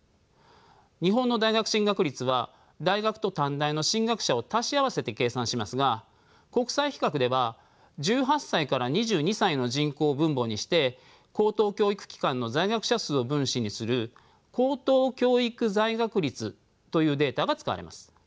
日本の大学進学率は大学と短大の進学者を足し合わせて計算しますが国際比較では１８歳から２２歳の人口を分母にして高等教育機関の在学者数を分子にする高等教育在学率というデータが使われます。